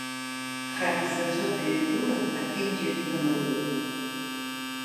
Харԥ заҵәы дҩагылан аԥенџьыр днылагылеит.